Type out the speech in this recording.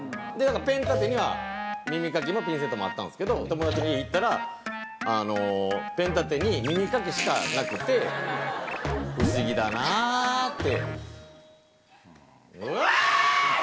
ペン立てには耳かきもピンセットもあったんですけど友達の家行ったらペン立てに耳かきしかなくて「不思議だなぁ」って。